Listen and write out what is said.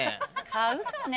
買うかね？